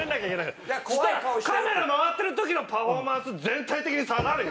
そしたらカメラ回ってる時のパフォーマンス全体的に下がるよ。